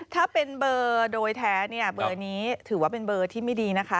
ถ้าเป็นเบอร์โดยแท้เนี่ยเบอร์นี้ถือว่าเป็นเบอร์ที่ไม่ดีนะคะ